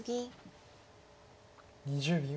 ２０秒。